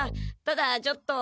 ただちょっと。